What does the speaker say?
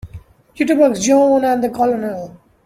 Jitterbugs JOHN and the COLONEL.